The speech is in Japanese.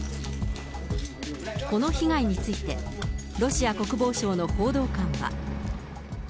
この被害について、ロシア国防省の報道官は。